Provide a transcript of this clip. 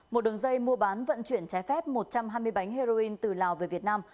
một đường dây mua bán vận chuyển trái phép một trăm hai mươi bánh heroin từ lào về việt nam